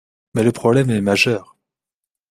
mais le problème est majeur